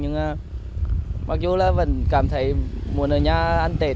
nhưng mà mặc dù là vẫn cảm thấy muốn ở nhà ăn tết